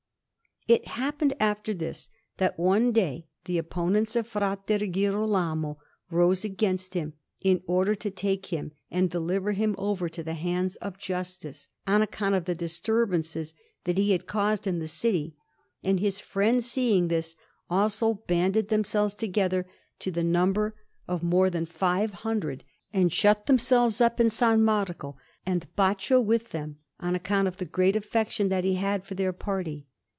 It happened, after this, that one day the opponents of Fra Girolamo rose against him, in order to take him and deliver him over to the hands of justice, on account of the disturbances that he had caused in the city; and his friends, seeing this, also banded themselves together, to the number of more than five hundred, and shut themselves up in S. Marco, and Baccio with them, on account of the great affection that he had for their party.